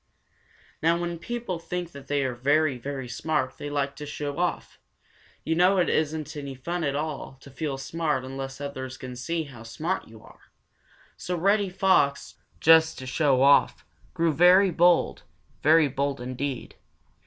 Now when people think that they are very, very smart, they like to show off. You know it isn't any fun at all to feel smart unless others can see how smart you are. So Reddy Fox, just to show off, grew very bold, very bold indeed.